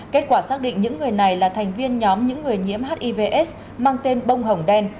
kết quả xác định những người này là thành viên nhóm những người nhiễm hivs mang tên bông hồng đen